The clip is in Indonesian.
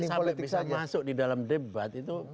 kalau nanti sampai bisa masuk di dalam debat itu